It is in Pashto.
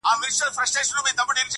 چا راوستي وي وزګړي او چا مږونه,